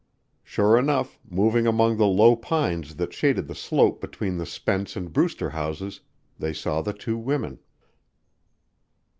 Sure enough, moving among the low pines that shaded the slope between the Spence and Brewster houses they saw the two women.